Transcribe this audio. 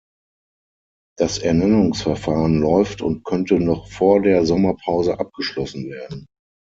Das Ernennungsverfahren läuft und könnte noch vor der Sommerpause abgeschlossen werden.